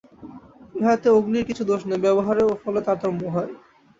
ইহাতে অগ্নির কিছু দোষ নাই, ব্যবহারে ও ফলে তারতম্য হয়।